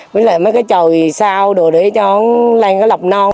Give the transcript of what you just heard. với lại mấy cái tròi sao đồ để cho nó lên cái lọc non